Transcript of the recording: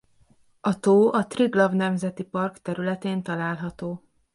A tó a Triglav Nemzeti Park területén található.